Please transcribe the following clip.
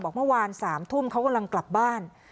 เมื่อวาน๓ทุ่มเขากำลังกลับบ้าน